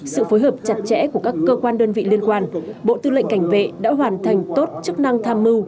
sự phối hợp chặt chẽ của các cơ quan đơn vị liên quan bộ tư lệnh cảnh vệ đã hoàn thành tốt chức năng tham mưu